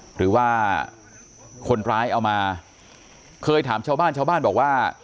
หรือว่าคนร้ายเอามาเคยถามชาวบ้านชาวบ้านบอกว่า